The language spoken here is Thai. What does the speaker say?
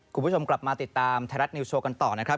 คุณผู้ชมกลับมาติดตามไทยรัฐนิวโชว์กันต่อนะครับ